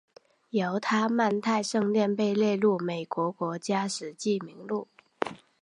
犹他曼泰圣殿被列入美国国家史迹名录。